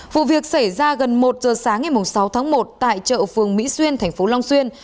vụ việc xảy ra gần một giờ sáng ngày sáu tháng một tại chợ phường mỹ xuyên thành phố long xuyên